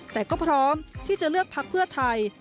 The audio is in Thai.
แต่ก็พร้อมที่จะเลือกพักเพื่อไทย